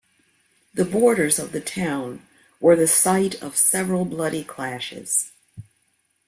The borders of the town were the site of several bloody clashes.